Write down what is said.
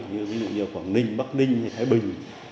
như quảng ninh bắc ninh thái bình